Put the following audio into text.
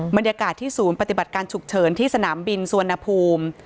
บรรยากาศที่ศูนย์ปฏิบัติการฉุกเฉินที่สนามบินสุวรรณภูมิ